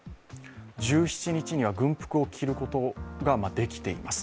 １７日には軍服を着ることが許されています。